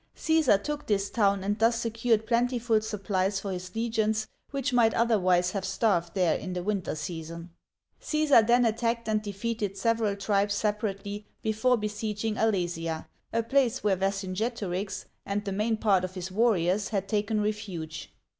Caesar took this town and thus secured plentiful supplies for his legions, which might otherwise have starved there in the winter season. Caesar then attacked and defeated several tribes separately before besieging A le'si a, a place where Vercin getorix and the main part of his warriors had taken refuge.